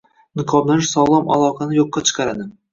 Niqoblanish sog‘lom aloqani yo‘qqa chiqaradi.